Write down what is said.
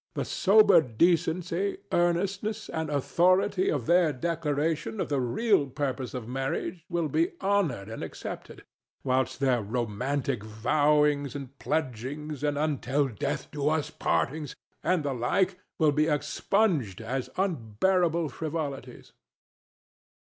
The sober decency, earnestness and authority of their declaration of the real purpose of marriage will be honored and accepted, whilst their romantic vowings and pledgings and until death do us partings and the like will be expunged as unbearable frivolities.